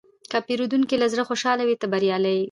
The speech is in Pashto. که پیرودونکی له زړه خوشحاله وي، ته بریالی یې.